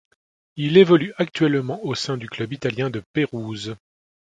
Il évolue actuellement au sein du club italien de Pérouse.